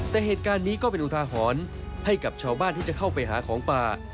แต่เหตุการณ์นี้ก็เป็นอุทาหรณ์ให้กับชาวบ้านที่จะเข้าไปหาของป่า